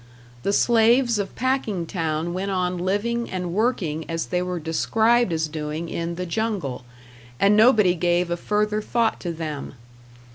The slaves of Packingtown went on living and working as they were described as doing in "The Jungle", and nobody gave a further thought to them.